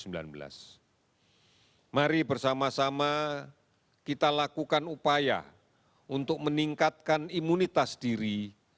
mari bersama sama kita lakukan upaya untuk meningkatkan imunitas diri